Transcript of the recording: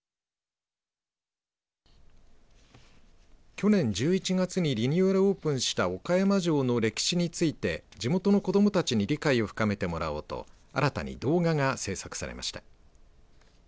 去年１１月にリニューアルオープンした岡山城の歴史について地元の子どもたちに理解を深めてもらおうと新たに動画が制作されました。